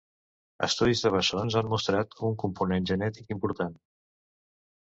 Estudis de bessons han mostrat un component genètic important.